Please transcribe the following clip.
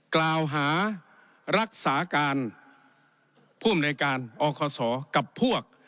กล่าวหารักษาการผู้อำนวยการอคศกับพวก